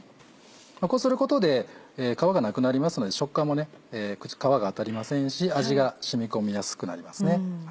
こうすることで皮がなくなりますので食感も皮が当たりませんし味が染み込みやすくなりますね。